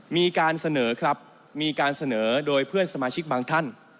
มีการเสนอครับมีการเสนอโดยเพื่อนสมาชิกบางท่าน